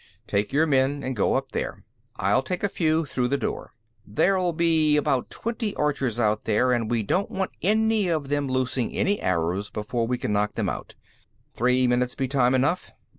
"Take your men and go up there. I'll take a few through the door. There'll be about twenty archers out there, and we don't want any of them loosing any arrows before we can knock them out. Three minutes be time enough?"